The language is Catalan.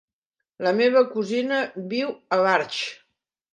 La meva cosina viu a Barx.